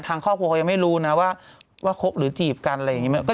ทางครอบครัวเขายังไม่รู้นะว่าคบหรือจีบกันอะไรอย่างนี้